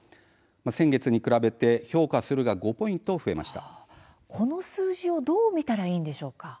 先月に比べて評価するがこの数字をどう見たらよいのでしょうか。